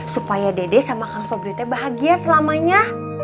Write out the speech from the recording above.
supaya dedek sama kang sobri bahagia selamanya